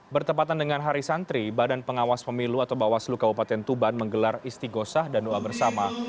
bertepatan dengan hari santri badan pengawas pemilu atau bawas luka wapaten tuban menggelar isti gosah dan doa bersama